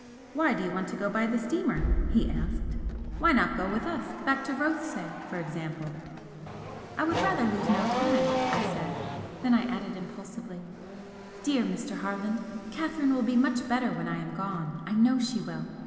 "Why do you want to go by the steamer?" he asked "Why not go with us back to Rothesay, for example?" "I would rather lose no time," I said then I added impulsively: "Dear Mr. Harland, Catherine will be much better when I am gone I know she will!